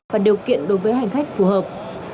và điều kiện đối với hành khách phù hợp